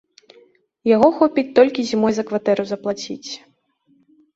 Яго хопіць толькі зімой за кватэру заплаціць.